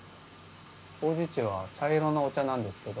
ほうじ茶は茶色のお茶なんですけど。